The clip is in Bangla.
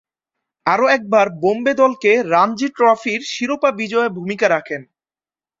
আরও একবার বোম্বে দলকে রঞ্জী ট্রফির শিরোপা বিজয়ে ভূমিকা রাখেন।